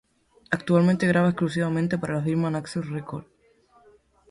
Actualmente graba exclusivamente para la firma Naxos Records.